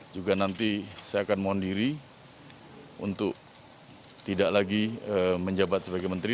juga nanti saya akan mohon diri untuk tidak lagi menjabat sebagai menteri